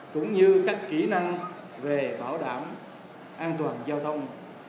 cũng như các kỹ năng về bảo đảm an toàn giao thông